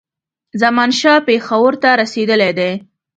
زمانشاه پېښور ته رسېدلی دی.